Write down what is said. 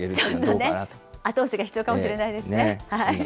後押しが必要かもしれないですね。